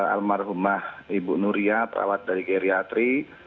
almarhumah ibu nuria perawat dari geriatri